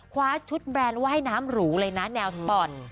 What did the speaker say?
คว้าชุดแบรนด์ว่ายน้ำหรูเลยนะแนวสปอร์ต